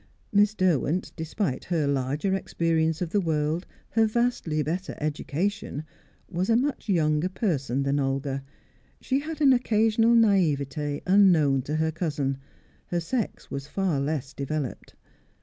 Miss Derwent, despite her larger experience of the world, her vastly better education, was a much younger person than Olga; she had an occasional naivete unknown to her cousin; her sex was far less developed.